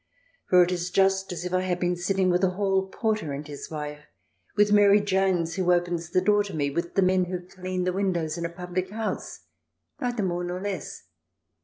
For it is just as if I had been sitting with a hall porter and his wife, with Mary Jones who opens the door to me, with the men who clean the windows in a public house, neither more nor less.